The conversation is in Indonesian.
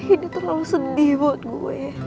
ini terlalu sedih bagiku